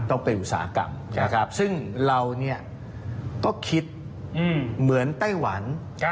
ต้องเป็นอุตสาหกรรมนะครับซึ่งเราก็คิดเหมือนไต้หวัน